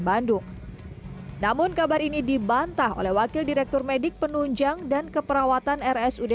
bandung namun kabar ini dibantah oleh wakil direktur medik penunjang dan keperawatan rsud